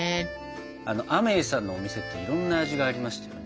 あのアメイさんのお店っていろんな味がありましたよね？